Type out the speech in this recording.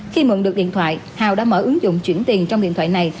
khi mượn được điện thoại hào đã mở ứng dụng chuyển tiền trong điện thoại này